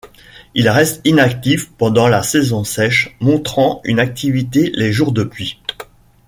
Ils restent inactifs pendant la saison sèche, montrant une activité les jours de pluie.